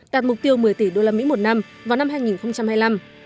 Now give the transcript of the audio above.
đạt mục tiêu một mươi tỷ usd một năm vào năm hai nghìn hai mươi năm